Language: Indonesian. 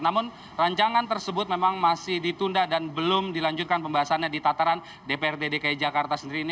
namun rancangan tersebut memang masih ditunda dan belum dilanjutkan pembahasannya di tataran dprd dki jakarta sendiri ini